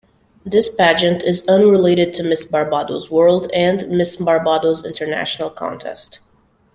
This pageant is unrelated to "Miss Barbados World" and "Miss Barbados International" contest.